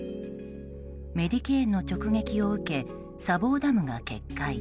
メディケーンの直撃を受け砂防ダムが決壊。